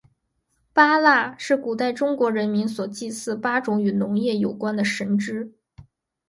八蜡是古代中国人民所祭祀八种与农业有关的神只。